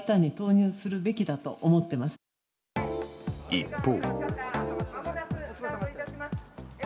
一方。